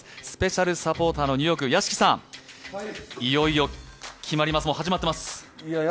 スペシャルサポーターのニューヨーク屋敷さん、いよいよ決まります、始まってます。